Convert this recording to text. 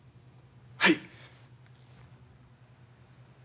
はい！